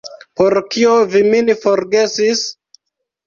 Por kio vi min forgesis?